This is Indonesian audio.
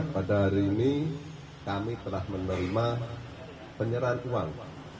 pada hari ini kami telah menerima penyerahan uang